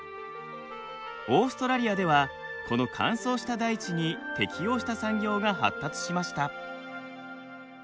オーストラリアではこの乾燥した大地に適応した産業が発達しました。